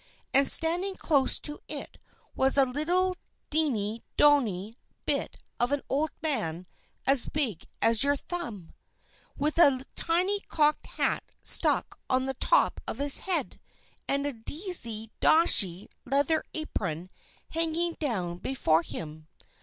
And standing close to it was a little, diny, dony bit of an old man as big as your thumb, with a tiny cocked hat stuck on the top of his head, and a deesy, daushy, leather apron hanging down before him.